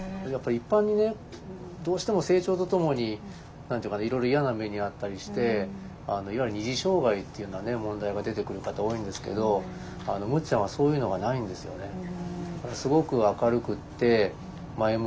やっぱり一般にねどうしても成長とともに何て言うかないろいろ嫌な目に遭ったりしていわゆる二次障害っていうような問題が出てくる方多いんですけどむっちゃんはそういうのがないんですよね。